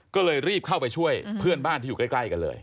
ก็เลยรีบเข้าไปช่วยเพื่อนบ้านที่อยู่ใกล้กันเลย